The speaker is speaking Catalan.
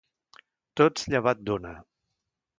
Tots llevat d'una.